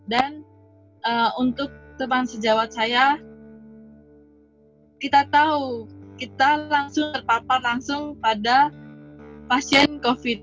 untuk teman sejawat saya kita tahu kita langsung terpapar langsung pada pasien covid